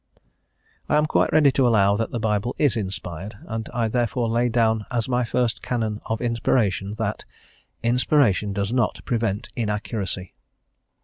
I am quite ready to allow that the Bible is inspired, and I therefore lay down as my first canon of inspiration, that: "Inspiration does not prevent inaccuracy."